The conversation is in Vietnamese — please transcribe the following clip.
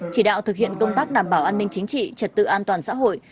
chỉ đạo thực hiện công tác đảm bảo an ninh chính trị trật tự an toàn xã hội